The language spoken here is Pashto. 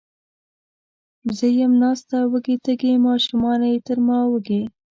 زه یم ناسته وږې، تږې، ماشومانې تر ما وږي